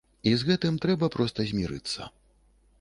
І з гэтым трэба проста змірыцца.